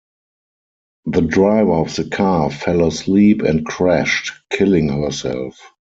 The driver of the car fell asleep and crashed, killing herself.